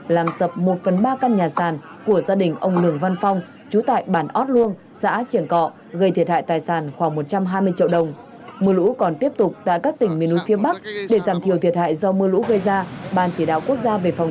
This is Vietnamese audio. làm sập một phần ba căn nhà sàn của gia đình ông lường văn phong chú tại bản ót luông xã triển cọ gây thiệt hại tài sàn khoảng một trăm hai mươi triệu đồng